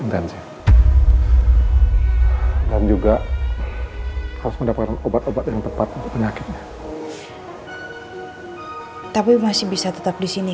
baik dan juga harus mendapatkan obat obat yang tepat penyakitnya tapi masih bisa tetap disini